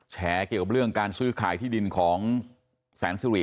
แฉเกี่ยวกับเรื่องการซื้อขายที่ดินของแสนสุริ